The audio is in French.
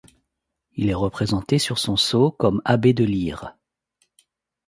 Il est représenté sur son sceau, comme abbé de Lyre.